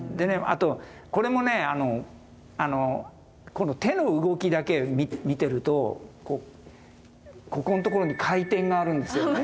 あとこれもねこの手の動きだけ見てるとここんところに回転があるんですよね。